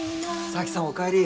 沙樹さんおかえり。